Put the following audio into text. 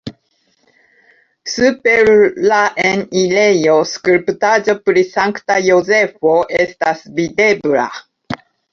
Super la enirejo skulptaĵo pri Sankta Jozefo estas videbla.